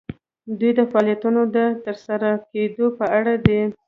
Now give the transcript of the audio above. دوی د فعالیتونو د ترسره کیدو په اړه دي.